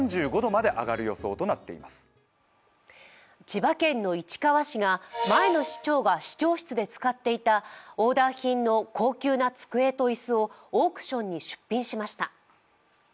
千葉県市川市が前の市長が市長室で使っていたオーダー品の高級な机と椅子をオークションに出品しました。